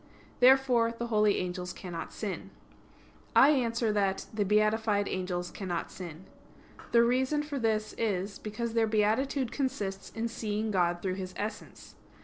Therefore the holy angels cannot sin. I answer that, The beatified angels cannot sin. The reason for this is, because their beatitude consists in seeing God through His essence.